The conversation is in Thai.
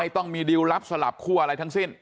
ต้องมีดิวลลับสลับคั่วอะไรทั้งสิ้น